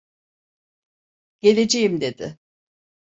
"Geleceğim!" dedi.